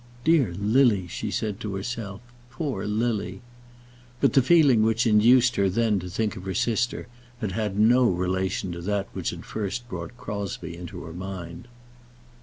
"Dear Lily," she said to herself "poor Lily!" But the feeling which induced her then to think of her sister had had no relation to that which had first brought Crosbie into her mind.